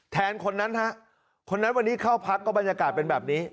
คนนั้นฮะคนนั้นวันนี้เข้าพักก็บรรยากาศเป็นแบบนี้